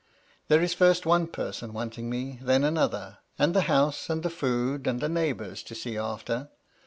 There is first one person wanting me, and then another, and the house and the food and the neighbours to see after.